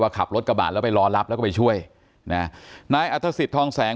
ขับรถกระบาดแล้วไปรอรับแล้วก็ไปช่วยนะนายอัฐศิษย์ทองแสง